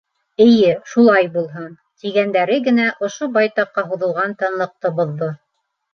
— Эйе, шулай булһын! — тигәндәре генә ошо байтаҡҡа һуҙылған тынлыҡты боҙҙо.